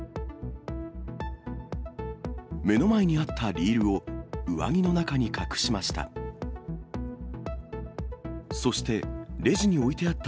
目の前にあったリールを上着の中に隠しました。